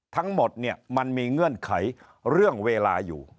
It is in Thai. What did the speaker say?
ทั้งหมดเนี่ยมันมีเงื่อนไขเรื่องเวลาอยู่